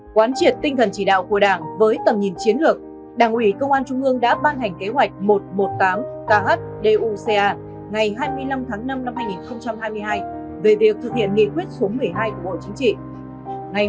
quán triệt tinh thần chỉ đạo của đảng với tầm nhìn chiến lược đảng ủy công an trung ương đã ban hành kế hoạch một trăm một mươi tám khduca ngày hai mươi năm tháng năm năm hai nghìn hai mươi hai về việc thực hiện nghị quyết số một mươi hai của bộ chính trị